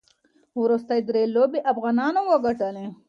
وروستۍ درې لوبې افغانانو وګټلې.